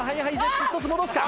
１つ戻すか。